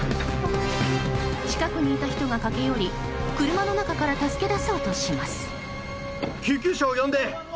近くにいた人が駆け寄り車の中から助け出そうとします。